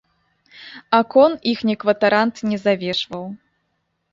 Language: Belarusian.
Акон іхні кватарант не завешваў.